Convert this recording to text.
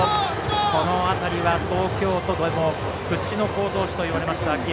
この辺りは東京都でも屈指の好投手といわれました秋山。